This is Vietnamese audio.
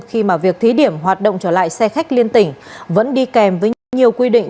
khi mà việc thí điểm hoạt động trở lại xe khách liên tỉnh vẫn đi kèm với nhiều quy định